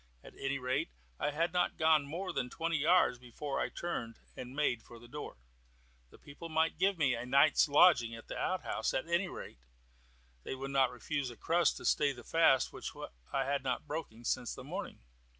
At any rate, I had not gone more than twenty yards before I turned and made for the door. The people might give me a night's lodging in the outhouse; at any rate, they would not refuse a crust to stay the fast which I had not broken since the morning.